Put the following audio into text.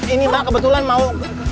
ini mak kebetulan mau